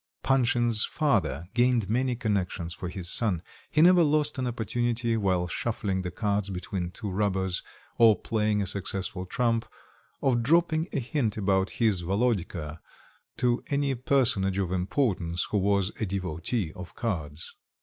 Panshin's father gained many connections for his son. He never lost an opportunity, while shuffling the cards between two rubbers, or playing a successful trump, of dropping a hint about his Volodka to any personage of importance who was a devotee of cards.